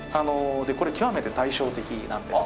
でこれ極めて対照的なんですね。